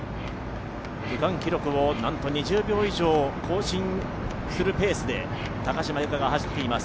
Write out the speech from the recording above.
区間記録をなんと２０秒以上更新するペースで高島由香が走っています。